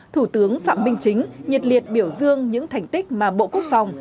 thủ tướng phạm minh chính nhiệt liệt biểu dương những thành tích mà bộ quốc phòng